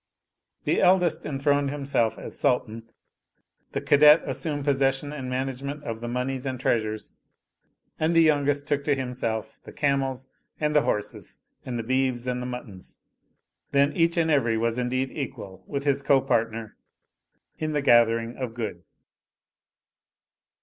The eldest enthroned himself as Sultan; the cadet assumed possession and management of the moneys and treasures, and the youngest took to himself the camels and the horses and the beeves and the muttons. Then each and every was indeed equal with his co partner in the gathering of good.